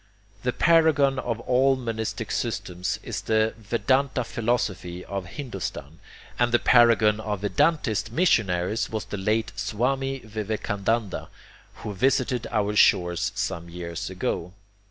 The paragon of all monistic systems is the Vedanta philosophy of Hindostan, and the paragon of Vedantist missionaries was the late Swami Vivekananda who visited our shores some years ago.